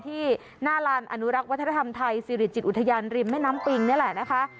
ที่หน้าลานอนุรักษ์วัฒนธรรมไทยสิริจิตอุทยานริมแม่น้ำปิงนี่แหละนะคะ